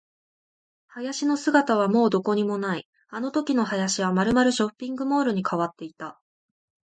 林の姿はもうどこにもない。あのときの林はまるまるショッピングモールに変わっていた。